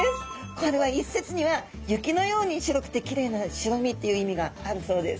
これは一説には雪のように白くてきれいな白身っていう意味があるそうです。